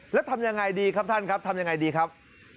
แล้วทำยังไงดีครับท่านครับทำยังไงดีครับ